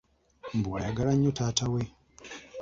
Mbu ayagala nnyo taata we!